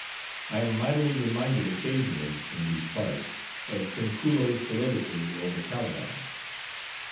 I am mightily reminded occasionally in these parts of Trinculo's soliloquy over Caliban.